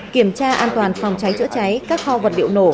kiểm tra an toàn phòng cháy chữa cháy các kho vật liệu nổ